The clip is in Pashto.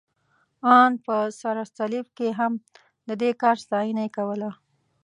ان په سره صلیب کې هم، د دې کار ستاینه یې کوله.